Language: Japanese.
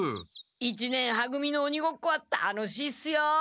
一年は組のおにごっこは楽しいっすよ。